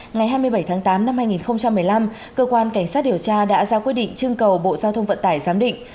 ngày hai mươi bảy tháng tám năm hai nghìn một mươi năm cơ quan cảnh sát điều tra đã ra quyết định trưng cầu bộ giao thông vận tải giám định